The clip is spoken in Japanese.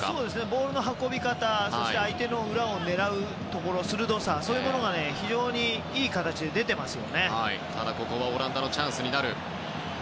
ボールの運び方そして相手の裏を狙う鋭さというところが非常にいい形で出ています。